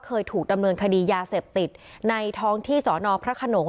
เคยถูกดำเนินคดียาเสพติดในท้องที่สอนอพระขนง